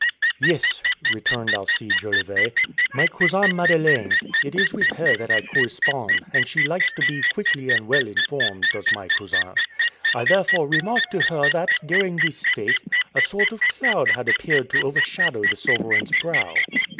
"Yes," returned Alcide Jolivet, "my cousin Madeleine. It is with her that I correspond, and she likes to be quickly and well informed, does my cousin. I therefore remarked to her that, during this fête, a sort of cloud had appeared to overshadow the sovereign's brow."